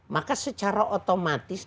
maka secara otomatis